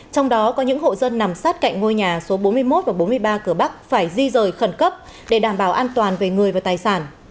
trong đó có những hộ dân nằm sát cạnh ngôi nhà số bốn mươi một và bốn mươi ba cửa bắc phải di rời khẩn cấp để đảm bảo an toàn về người và tài sản